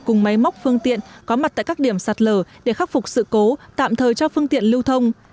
cùng máy móc phương tiện có mặt tại các điểm sạt lở để khắc phục sự cố tạm thời cho phương tiện lưu thông